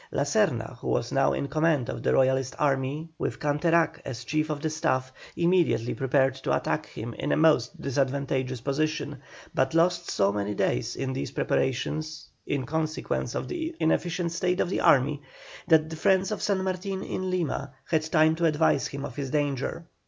La Serna, who was now in command of the Royalist army, with Canterac as chief of the staff, immediately prepared to attack him in a most disadvantageous position, but lost so many days in these preparations in consequence of the inefficient state of the army, that the friends of San Martin in Lima had time to advise him of his danger.